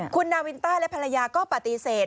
คุณนาวินต้าและภรรยาก็ปฏิเสธ